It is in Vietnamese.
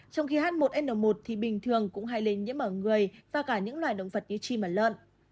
trong khi h một n một thì bình thường cũng hay lây nhiễm ở người và cả những loài động vật như chim và lợn